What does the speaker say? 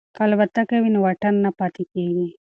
که الوتکه وي نو واټن نه پاتیږي.